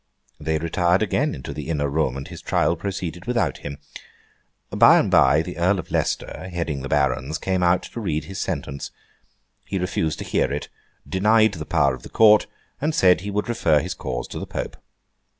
They retired again into the inner room, and his trial proceeded without him. By and by, the Earl of Leicester, heading the barons, came out to read his sentence. He refused to hear it, denied the power of the court, and said he would refer his cause to the Pope.